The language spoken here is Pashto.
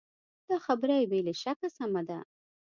دا خبره بې له شکه سمه ده.